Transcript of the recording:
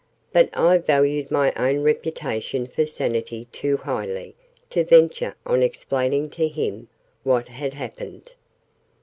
But I valued my own reputation for sanity too highly to venture on explaining to him what had happened.